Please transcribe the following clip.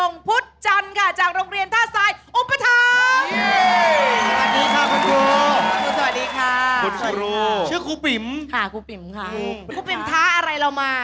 คุณค่ะคู่ปิมค่ะคู่ปิมค่ะคุณใช้อะไรเรามา